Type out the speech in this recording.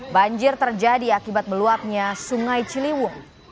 banjir terjadi akibat meluapnya sungai ciliwung